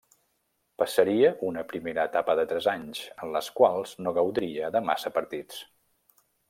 Passaria una primera etapa de tres anys, en les quals no gaudiria de massa partits.